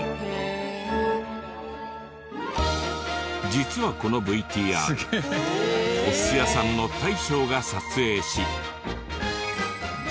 実はこのＶＴＲお寿司屋さんの大将が撮影し。